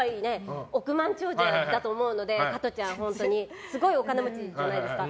億万長者だと思うので加トちゃんは本当にすごいお金持ちじゃないですか。